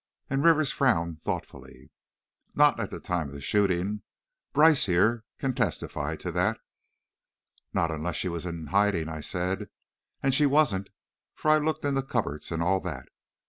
and Rivers frowned thoughtfully. "Not at the time of the shooting. Brice, here, can testify to that." "Not unless she was in hiding," I said, "and she wasn't, for I looked in the cupboards and all that.